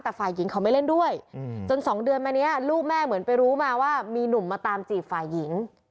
แต่ฝ่ายหญิงเขาไม่เล่นด้วยจน๒เดือนมานี้ลูกแม่เหมือนไปรู้มาว่ามีหนุ่มมาตามจีบฝ่ายหญิง